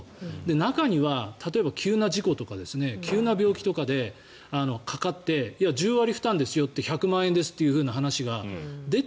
中には例えば、急な事故とか急な病気とかで、かかって１０割負担ですよ１００万円ですっていう話が出て。